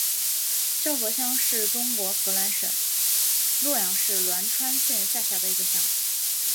叫河乡是中国河南省洛阳市栾川县下辖的一个乡。